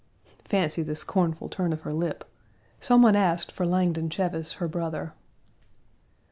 Fancy the scornful turn of her lip! Some one asked for Langdon Cheves, her brother.